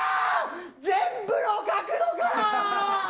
全部の角度から！